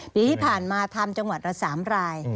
ปีที่ผ่านมาทำจังหวัดละ๓ราย